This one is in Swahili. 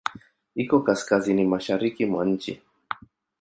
Iko kaskazini-mashariki mwa nchi.